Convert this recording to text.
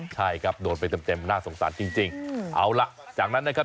ใช่ครับโดนไปเต็มน่าสงสารจริงเอาล่ะจากนั้นนะครับ